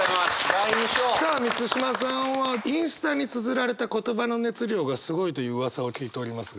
第二章！さあ満島さんはインスタにつづられた言葉の熱量がすごいといううわさを聞いておりますが。